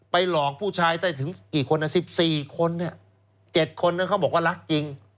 หลอกผู้ชายได้ถึงกี่คน๑๔คน๗คนเขาบอกว่ารักจริง